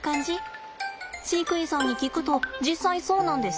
飼育員さんに聞くと実際そうなんですって。